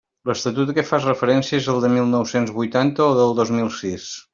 L'Estatut a què fas referència és el de mil nou-cents vuitanta o el del dos mil sis?